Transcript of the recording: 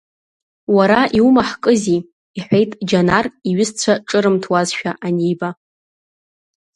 Уара иумаҳкызи, — иҳәеит Џьанар, иҩызцәа ҿырымҭуазшәа аниба.